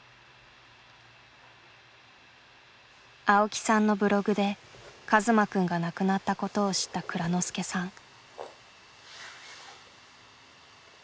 青木さんのブログで一馬くんが亡くなったことを知った蔵之介さん。